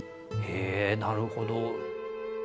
へえなるほど。